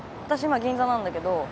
私今銀座なんだけど。